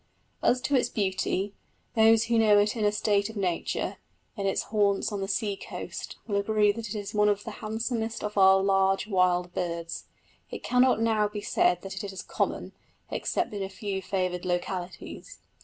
As to its beauty, those who know it in a state of nature, in its haunts on the sea coast, will agree that it is one of the handsomest of our large wild birds. It cannot now be said that it is common, except in a few favoured localities.